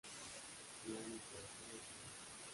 La Literatura China